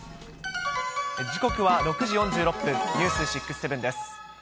時刻は６時４６分、ニュース６ー７です。